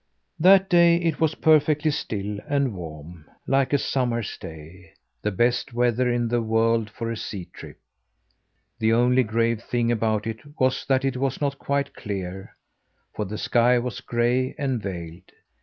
That day it was perfectly still and warm like a summer's day the best weather in the world for a sea trip. The only grave thing about it was that it was not quite clear, for the sky was gray and veiled.